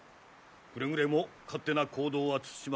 くれぐれも勝手な行動は慎まれよ。